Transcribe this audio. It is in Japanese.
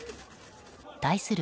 対する